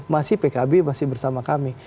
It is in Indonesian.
masih pkb masih bersama kami